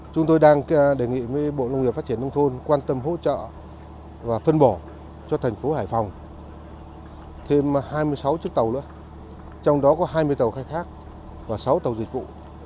chúng tôi đang đề nghị với bộ nông nghiệp phát triển nông thôn quan tâm hỗ trợ và phân bổ cho thành phố hải phòng thêm hai mươi sáu chiếc tàu nữa trong đó có hai mươi tàu khai thác và sáu tàu dịch vụ